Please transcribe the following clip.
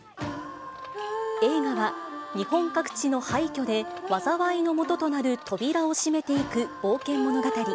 映画は日本各地の廃虚で、災いのもととなる扉を閉めていく冒険物語。